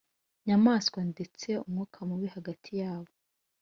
nyamwasa ndetse umwuka mubi hagati yabo